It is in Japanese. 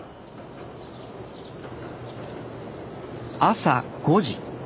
朝５時。